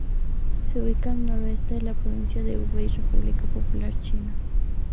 Se ubica al noroeste de la Provincia de Hubei, República Popular China.